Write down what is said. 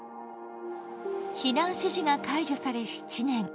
避難指示が解除され、７年。